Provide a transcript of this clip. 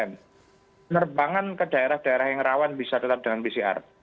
penerbangan ke daerah daerah yang rawan bisa tetap dengan pcr